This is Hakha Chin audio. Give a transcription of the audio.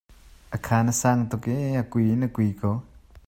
A khan a sang tuk i a kui in a kui ko.